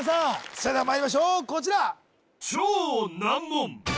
それではまいりましょうこちら